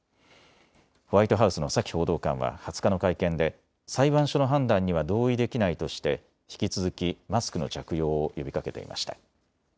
ホワイトハウスのサキ報道官は２０日の会見で裁判所の判断には同意できないとして引き続きマスクの着用を呼びかけていました。